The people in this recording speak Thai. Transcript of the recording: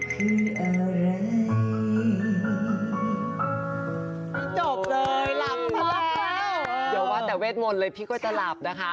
เจ๋วว่าแต่เวชมนต์เลยพี่ก็จะหลับนะคะ